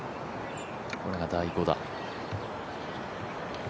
これが第５打。